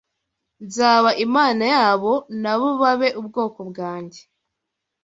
nzaba Imana yabo na bo babe ubwoko bwanjye.’